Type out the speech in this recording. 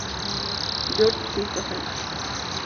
Jorge Sixto Fernández